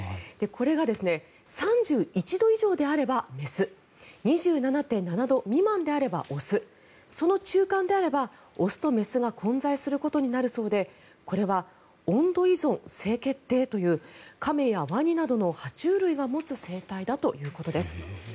これが３１度以上であれば雌２７．７度未満であれば雄その中間であれば、雄と雌が混在することになるそうでこれは温度依存性決定という亀やワニなどの爬虫類が持つ生態だということです。